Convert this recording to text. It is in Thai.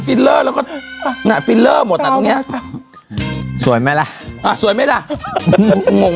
แล้วก็น่ะหมดอ่ะตรงเนี้ยสวยไหมล่ะอ่ะสวยไหมล่ะงง